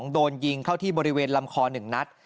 โดนยิงเข้าที่บริเวณลำคอ๑นัด